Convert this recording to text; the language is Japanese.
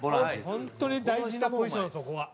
本当に大事なポジションそこは。